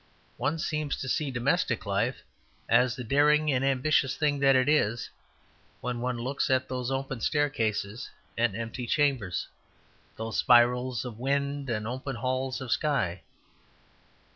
One seems to see domestic life as the daring and ambitious thing that it is, when one looks at those open staircases and empty chambers, those spirals of wind and open halls of sky.